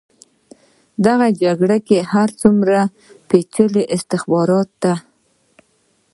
دغه جګړه که هر څومره پېچلې او استخباراتي ده.